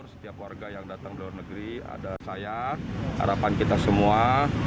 setiap warga yang datang ke luar negeri ada sayap harapan kita semua